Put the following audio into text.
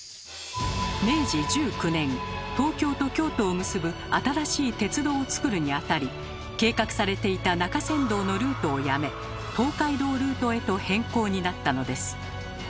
明治１９年東京と京都を結ぶ新しい鉄道をつくるにあたり計画されていた中山道のルートをやめ東海道ルートへと変更になったのです。